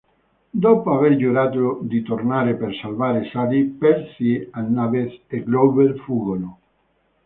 Dopo aver giurato di tornare per salvare Sally, Percy, Annabeth e Grover fuggono.